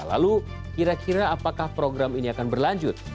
lalu kira kira apakah program ini akan berlanjut